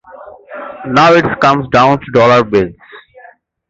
Now it comes down to dollar bills.